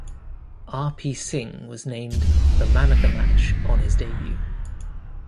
R. P. Singh was named the Man of the Match, on his debut.